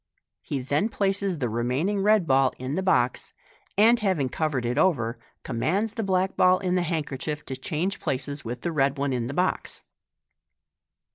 He ths places the remaining red ball in the box, and having covered it over, commands the black ball in the handkerchief to change places with the red one in the box.